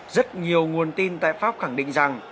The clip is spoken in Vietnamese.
rất nhiều nguồn tin tại pháp khẳng định rằng